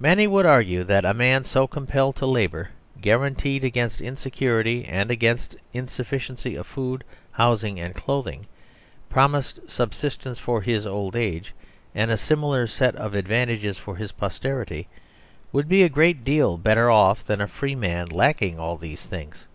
Many would argue that a man so compelled to labour, guaranteed against insecurity and against in sufficiency of food, housing and clothing, promised subsistence for his old age, and a similar set of ad vantages for his posterity, would be a great deal better off than a free man lacking all these things.